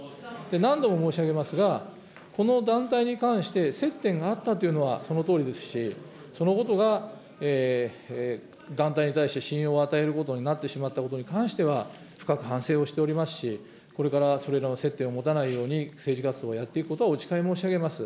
何度も申し上げますが、この団体に関して、接点があったというのはそのとおりですし、そのことが団体に対して信用を与えることになってしまったことに関しては、深く反省をしておりますし、これからそれらの接点を持たないように、政治活動をやっていくことはお誓い申し上げます。